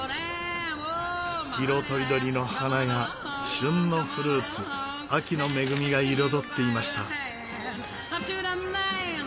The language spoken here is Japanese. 色とりどりの花や旬のフルーツ秋の恵みが彩っていました。